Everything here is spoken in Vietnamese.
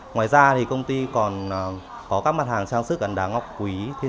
ngoài ra thì công ty còn có các mặt hàng trang sức gắn đá ngọc quý thiết kế